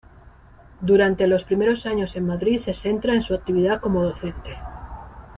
Durante los primeros años en Madrid se centra en su actividad como docente.